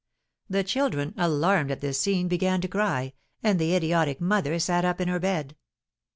The children, alarmed at this scene, began to cry, and the idiotic mother sat up in her bed.